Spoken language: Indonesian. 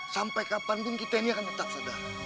sampai kapanpun kita ini akan tetap sadar